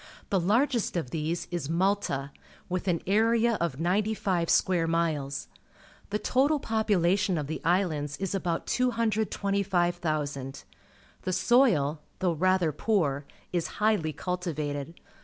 The largest of these is Malta, with an area of ninety five square miles. The total popula tion of the islands is about 225,000. The soil, though rather poor, is highly cultivated.